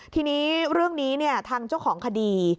ทีนี้เรื่องนี้ทางเจ้าของคดี